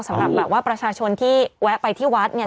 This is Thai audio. สำหรับแบบว่าประชาชนที่แวะไปที่วัดเนี่ย